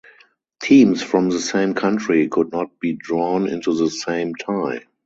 Teams from the same country could not be drawn into the same tie.